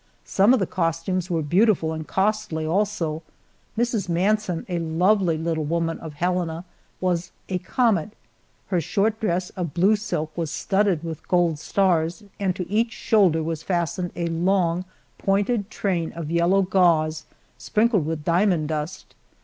Some of the costumes were beautiful and costly, also. Mrs. Manson, a lovely little woman of Helena, was "A Comet." Her short dress of blue silk was studded with gold stars, and to each shoulder was fastened a long, pointed train of yellow gauze sprinkled with diamond dust.